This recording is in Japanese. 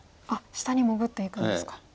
あっ下に潜っていくんですか。